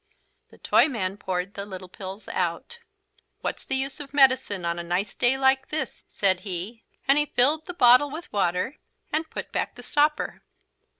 The Toyman poured the little pills out. "What's the use of medicine on a nice day like this," said he. And he filled the bottle with water and put back the stopper.